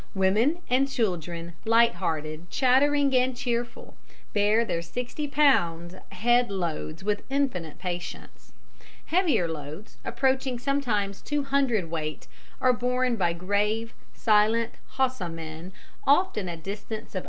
"Women and children, light hearted, chattering and cheerful, bear their 60 lbs. head loads with infinite patience. Heavier loads, approaching sometimes two hundredweight, are borne by grave, silent Hausa men, often a distance of thirty or forty miles."